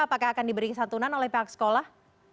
apakah akan diberi santunan oleh pihak sekolah